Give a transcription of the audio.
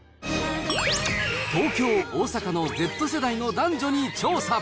東京、大阪のＺ世代の男女に調査。